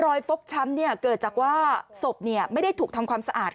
ฟกช้ำเกิดจากว่าศพไม่ได้ถูกทำความสะอาด